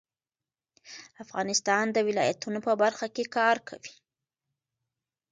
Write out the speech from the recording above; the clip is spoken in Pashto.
افغانستان د ولایتونو په برخه کې کار کوي.